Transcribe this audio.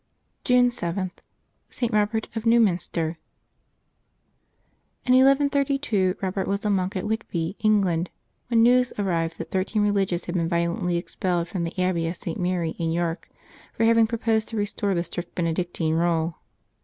June 7.— ST. ROBERT OF NEWMINSTER. IN 1132 Robert was a monk at Whitby, England, when news arrived that thirteen religious had been yiolently expelled from the Abbey of St. Mary, in York, for having proposed to restore the strict Benedictine rule.